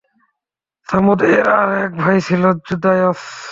ছামূদ-এর আর এক ভাই ছিল জুদায়স।